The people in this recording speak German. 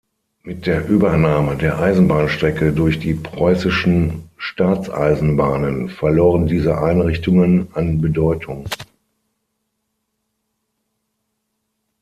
Mit der Übernahme der Eisenbahnstrecke durch die Preußischen Staatseisenbahnen verloren diese Einrichtungen an Bedeutung.